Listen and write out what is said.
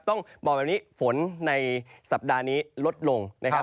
ต้องบอกแบบนี้ฝนในสัปดาห์นี้ลดลงนะครับ